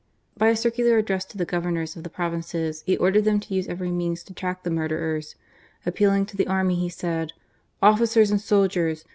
By a circular addressed to the ■nors of the Provinces he ordered them to use .,.»ay means to track the murderers, ,,. Appealing army, he said: "Officers and soldiers!